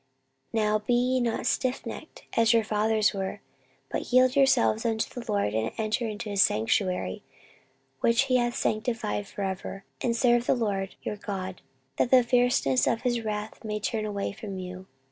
14:030:008 Now be ye not stiffnecked, as your fathers were, but yield yourselves unto the LORD, and enter into his sanctuary, which he hath sanctified for ever: and serve the LORD your God, that the fierceness of his wrath may turn away from you.